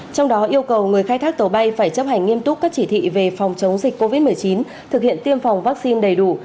trong đó yêu cầu người khai thác tàu bay phải chấp hành nghiêm túc các chỉ thị về phòng chống dịch covid một mươi chín thực hiện tiêm phòng vaccine đầy đủ